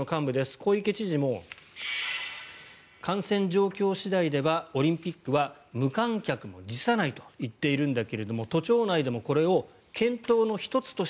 小池知事も感染状況次第ではオリンピックは無観客も辞さないと言っているんだけど都庁内でもこれを検討の１つとし